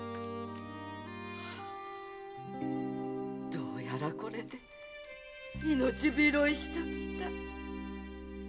どうやらこれで命拾いしたみたい。